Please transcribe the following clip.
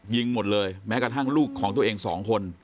ยิงหมดเลยแม้กระทั่งลูกของตัวเองสองคน